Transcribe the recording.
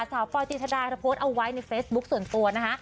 สาวปอยตีชะดาจะโพสต์เอาไว้ในเฟซบุ๊กส่วนตัวนะฮะ